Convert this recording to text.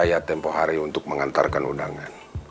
saya tempoh hari untuk mengantarkan undangan